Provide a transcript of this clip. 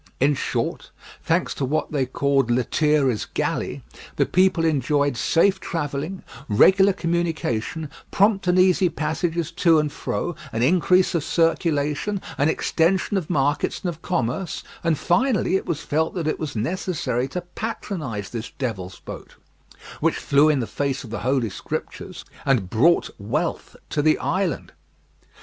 In short, thanks to what they called "Lethierry's Galley," the people enjoyed safe travelling, regular communication, prompt and easy passages to and fro, an increase of circulation, an extension of markets and of commerce, and, finally, it was felt that it was necessary to patronise this "Devil Boat," which flew in the face of the Holy Scriptures, and brought wealth to the island.